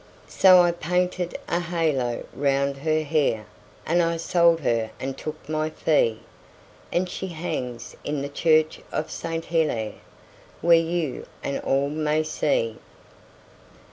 So I painted a halo round her hair, And I sold her and took my fee, And she hangs in the church of Saint Hillaire, Where you and all may see.